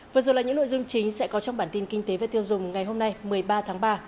vừa rồi là những nội dung chính sẽ có trong bản tin kinh tế và tiêu dùng ngày hôm nay một mươi ba tháng ba